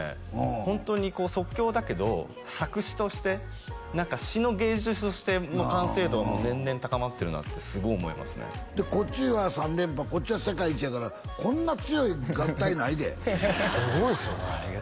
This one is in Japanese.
ホントに即興だけど作詞として詞の完成度はもう年々高まってるなってすごい思いますねでこっちは３連覇こっちは世界一やからこんな強い合体ないですごいですよね